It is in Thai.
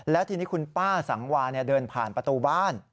แล้วทีนี้คุณป้าสังวาเดินผ่านประตูบ้าน